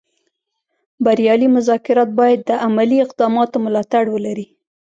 بریالي مذاکرات باید د عملي اقداماتو ملاتړ ولري